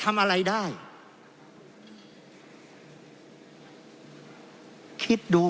เพราะเรามี๕ชั่วโมงครับท่านนึง